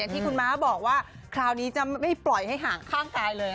ที่คุณม้าบอกว่าคราวนี้จะไม่ปล่อยให้ห่างข้างกายเลย